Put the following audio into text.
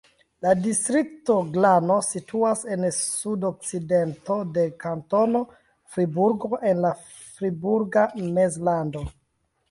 La distrikto Glano situas en sudokcidento de Kantono Friburgo en la Friburga Mezlando.